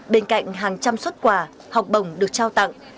bên cạnh hàng trăm xuất quà học bổng được trao tặng